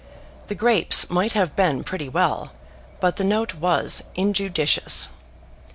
The grapes might have been pretty well, but the note was injudicious.